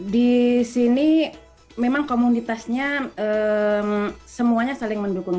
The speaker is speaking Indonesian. di sini memang komunitasnya semuanya saling mendukung